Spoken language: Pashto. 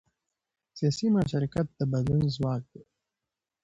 سیاسي مشارکت د بدلون ځواک دی